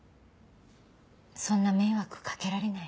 そんな迷惑かけられないし。